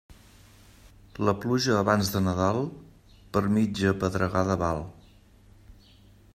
La pluja abans de Nadal, per mitja pedregada val.